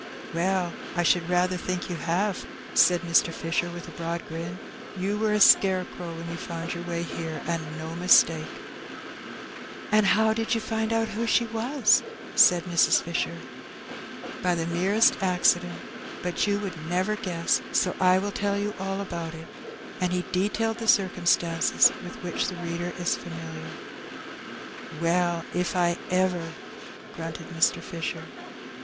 "Well, I should rather think you have," said Mr. 268 Hee Benny. Fisher, with a broad grin; ''yoa were a scarecrow when yea foand your way here, and no mistake." " Bat how did you find oat who she was ?'' said Mrs. Fisher. ''By the merest accident. Bat yoa woald never gness, so I will tell yoa all about it.'' And he detailed the cir cumstances with which the reader is &miliar. " Well, if I ever 1 " grunted Mr. Fisher.